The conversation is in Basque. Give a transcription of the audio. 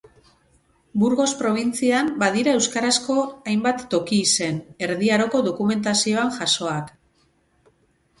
Burgos probintzian badira euskarazko hainbat toki-izen, Erdi Aroko dokumentazioan jasoak.